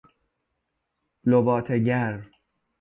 لواطه گر